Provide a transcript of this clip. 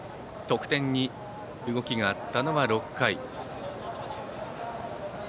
得点に動きがあったのは６回。